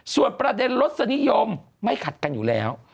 ส่วนประเด็นรสนิยมไม่ขัดกันอยู่แล้ว